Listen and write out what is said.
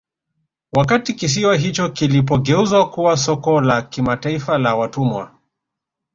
Wakati kisiwa hicho kilipogeuzwa kuwa soko la kimataifa la watumwa